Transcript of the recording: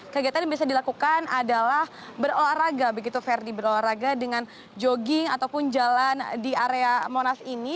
kegiatan yang bisa dilakukan adalah berolahraga begitu ferdi berolahraga dengan jogging ataupun jalan di area monas ini